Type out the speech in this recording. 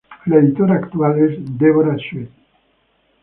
La editora actual es Deborah Sweet.